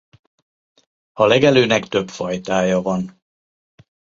A legelőnek több fajtája van.